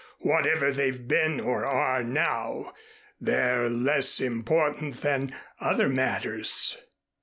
Whatever they've been or are now, they're less important than other matters."